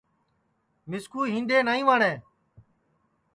مِسکُو ہِینڈؔے نائیں وٹؔیں